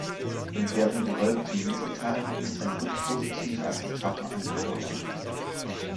In deren gewölbtem Mittelteil ist ein Rückpositiv als Attrappe eingearbeitet.